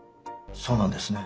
そうなんですね。